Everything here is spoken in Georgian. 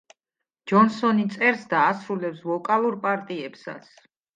ჯონსონი წერს და ასრულებს ვოკალურ პარტიებსაც.